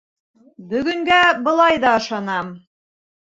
Бөгөнгә былай ҙа ышанам.